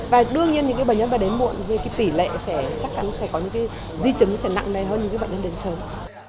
và đương nhiên những bệnh nhân mà đến muộn thì tỷ lệ chắc chắn sẽ có những di chứng sẽ nặng hơn những bệnh nhân đến sớm